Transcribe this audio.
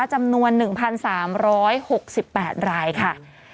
จำนวน๑๓๖๘รายค่ะ